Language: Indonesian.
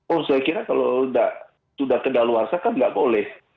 oh saya kira kalau sudah keadaan luar saya kan tidak boleh